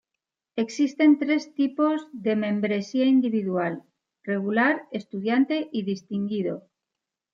Existen tres tipo de membresía individual: Regular, Estudiante y Distinguido.